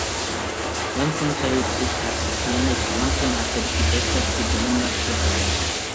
يانفون سەھىپىسى تەسىس قىلىنىپ يانفون ھەققىدىكى دەسلەپكى بىلىملەر قوشۇلدى.